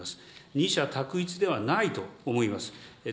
二者択一ではないと思います。